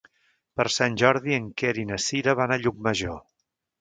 Per Sant Jordi en Quer i na Sira van a Llucmajor.